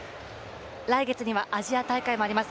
来月にはアジア大会もあります。